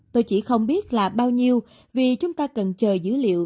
tôi chỉ không biết là bao nhiêu vì chúng ta cần chờ dữ liệu